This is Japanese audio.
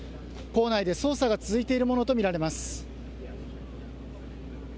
校内で捜査が続いているものと見られます。